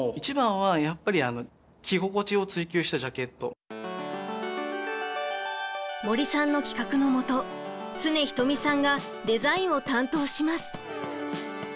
どうしても一番はやっぱり森さんの企画のもと常ひとみさんがデザインを担当します。